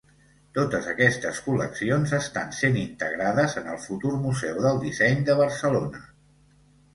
Totes aquestes col·leccions estan sent integrades en el futur Museu del disseny de Barcelona.